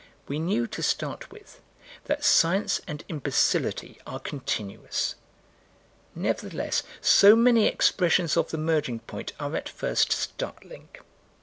We knew, to start with, that science and imbecility are continuous; nevertheless so many expressions of the merging point are at first startling.